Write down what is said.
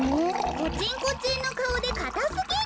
コチンコチンのかおでかたすぎる。